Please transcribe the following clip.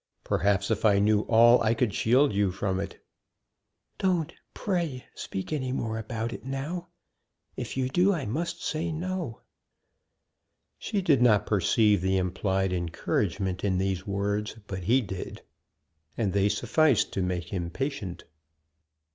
Perhaps, if I knew all I could shield you from it." "Don't, pray, speak any more about it now; if you do, I must say 'No.'" She did not perceive the implied encouragement in these words; but he did, and they sufficed to make him patient.